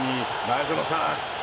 前園さん。